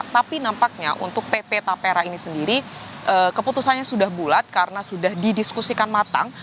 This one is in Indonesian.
tapi nampaknya untuk pp tapera ini sendiri keputusannya sudah bulat karena sudah didiskusikan matang